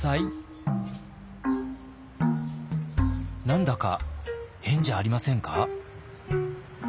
何だか変じゃありませんか？